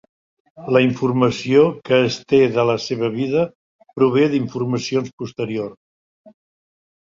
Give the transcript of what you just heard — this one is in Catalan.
La informació que es té de la seva vida prové d'informacions posteriors.